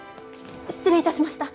失礼いたしました。